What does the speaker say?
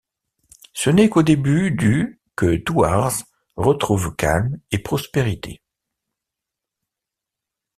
Ce n'est qu'au début du que Thouars retrouve calme et prospérité.